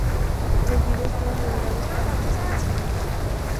Los vídeos fueron liberados para ambas canciones.